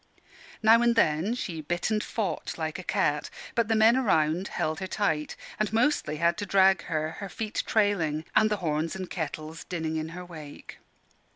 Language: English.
Now and then she bit and fought like a cat: but the men around held her tight, and mostly had to drag her, her feet trailing, and the horns and kettles dinning in her wake.